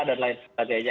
dan lain sebagainya